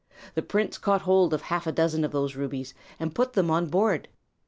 The prince caught hold of half a dozen of those rubies, and put them on board.